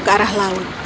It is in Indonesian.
ke arah laut